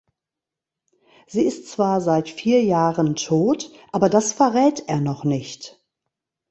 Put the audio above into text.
Sie ist zwar seit vier Jahren tot, aber das verrät er noch nicht.